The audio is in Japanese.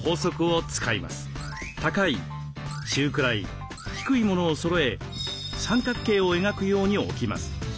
高い中くらい低いものをそろえ三角形を描くように置きます。